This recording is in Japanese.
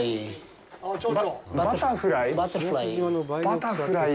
バタフライ。